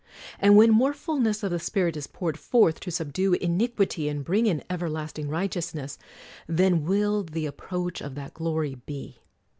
And when more ful ness of the Spirit is poured forth to subdue in iquity and bring in everlasting righteousness, then will the approach of that glory be.